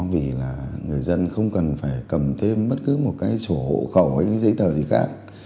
vì là người dân không cần phải cầm thêm bất cứ một cái sổ hộ khẩu hay cái giấy tờ gì khác